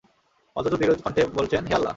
অত্যন্ত দৃঢ় কণ্ঠে বলছেন, হে আল্লাহ!